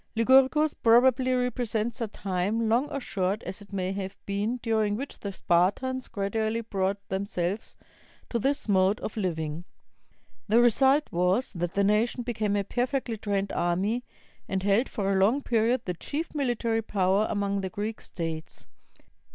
Lycurgus probably represents a time, long or short as it may have been, during which the Spartans gradually brought themselves to this mode of Uving. The result was that the nation became a perfectly trained army; and held for a long period the chief military power among the Greek states.